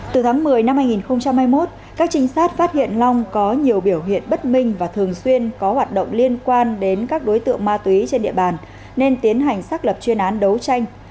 từ tháng một mươi năm hai nghìn hai mươi một các trinh sát phát hiện long có nhiều biểu hiện bất minh và thường xuyên có hoạt động liên quan đến các đối tượng ma túy trên địa bàn nên tiến hành xác lập chuyên án đấu tranh